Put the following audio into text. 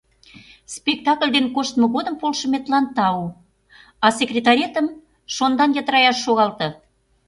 Спектакль дене коштмо годым полшыметлан тау, а секретаретым шондан йытыраяш шогалте.